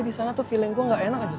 disana tuh feeling gua enggak enak aja